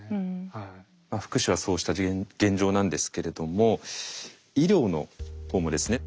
福祉はそうした現状なんですけれども医療のほうもですね